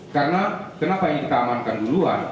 karena kenapa ini kita amankan duluan